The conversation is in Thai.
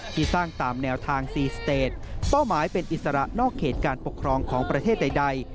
ที่สร้างตามแนวทางซีสเตจเป้าหมายเป็นอิสระนอกเขตการปกครองของประเทศใด